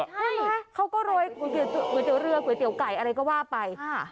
ใช่เขาก็โรยก๋วยเตี๋ยเรือก๋วยเตี๋ยวไก่อะไรก็ว่าไป